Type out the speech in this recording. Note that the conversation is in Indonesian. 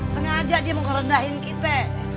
sengaja dia mau ngerendahin kita